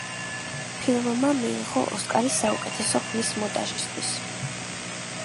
ფილმმა მიიღო ოსკარი საუკეთესო ხმის მონტაჟისთვის.